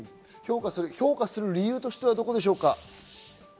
評価する理由としてはどこでしょうか？